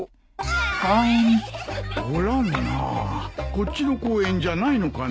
こっちの公園じゃないのかな。